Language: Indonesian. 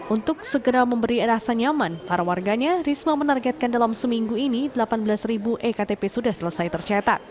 untuk segera memberi rasa nyaman para warganya risma menargetkan dalam seminggu ini delapan belas ektp sudah selesai tercetak